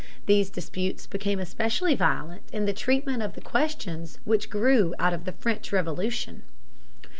These disputes became especially violent in the treatment of the questions which grew out of the French Revolution.